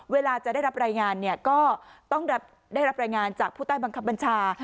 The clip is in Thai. เวลาจะได้รับรายงานเนี่ยก็ต้องได้รับรายงานจากผู้ใต้บังคับบัญชา